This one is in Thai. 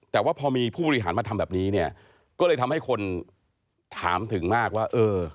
แต่ว่าพอมีผู้บริหารมาทำแบบนี้เนี่ยก็เลยทำให้คนถามถึงมากว่าเออ